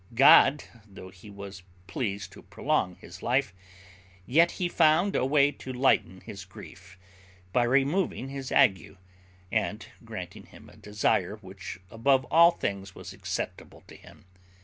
God, though He was pleased to prolong his life, yet He found a way to lighten his grief, by removing his ague, and granting him a desire which above all things was acceptable to him.